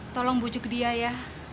tolong bujuk dia ya